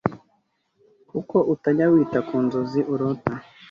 kuko utajya wita ku nzozi urota